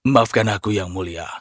maafkan aku yang mulia